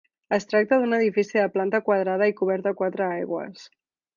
Es tracta d'un edifici de planta quadrada i coberta a quatre aigües.